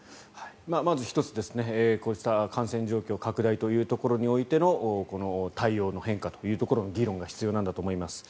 まず１つこうした感染状況拡大というところにおいてのこの対応の変化の議論が必要なんだと思います。